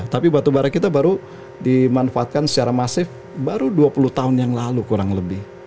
tapi batubara kita baru dimanfaatkan secara masif baru dua puluh tahun yang lalu kurang lebih